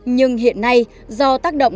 nhưng hiện nay do tác động